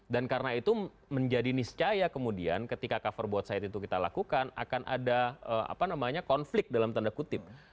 dan karena itu menjadi niscaya kemudian ketika cover both side itu kita lakukan akan ada konflik dalam tanda kutip